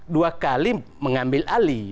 dua kali mengambil alih